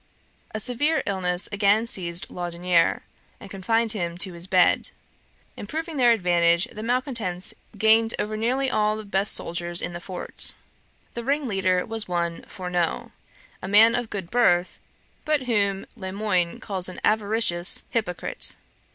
A severe illness again seized Laudonniere, and confined him to his bed. Improving their advantage, the malcontents gained over nearly all the best soldiers in the fort. The ringleader was one Fourneaux, a man of good birth, but whom Le Moyne calls an avaricious hypocrite.